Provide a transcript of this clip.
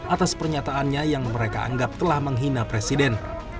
atas pernyataannya yang mereka anggap telah menghina presiden